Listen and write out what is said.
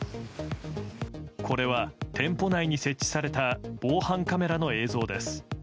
これは、店舗内に設置された防犯カメラの映像です。